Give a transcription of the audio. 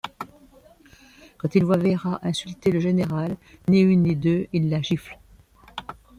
Quand il voit Véra insulter le général, ni une ni deux, il la gifle.